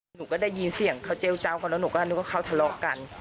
หนูก็ได้ยินเสียงเขาเจลเจ้าเขาแล้วหนูก็นึกว่าเขาทะเลาะกัน